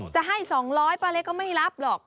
จะให้๒๐๐ป้าเล็กก็ไม่รับหรอก